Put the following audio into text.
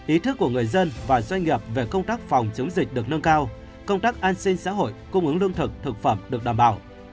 ý thức của người dân và doanh nghiệp về công tác phòng chống dịch được nâng cao công tác an sinh xã hội cung ứng lương thực thực phẩm được đảm bảo